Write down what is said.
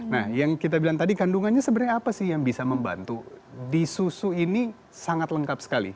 nah yang kita bilang tadi kandungannya sebenarnya apa sih yang bisa membantu di susu ini sangat lengkap sekali